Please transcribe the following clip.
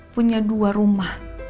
punya dua rumah